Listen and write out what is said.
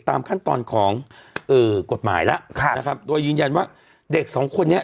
ตามขั้นตอนของเอ่อกฎหมายแล้วนะครับโดยยืนยันว่าเด็กสองคนนี้